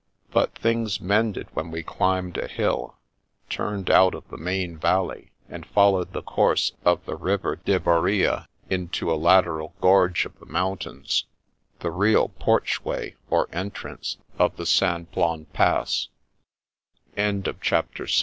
But things mended when we climbed a hill, turned out of the main valley, and followed the course of the river Diveria into a lateral gorge of the mountains, the real porch way or entrance of the Simplon Pass. CHAPTER VII Bt la0t!